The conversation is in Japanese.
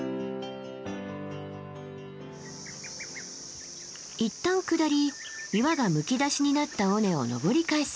いったん下り岩がむき出しになった尾根を登り返す。